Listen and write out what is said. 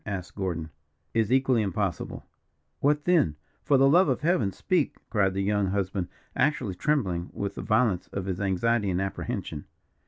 asked Gordon. "Is equally impossible." "What then? For the love of Heaven, speak," cried the young husband, actually trembling with the violence of his anxiety and apprehension.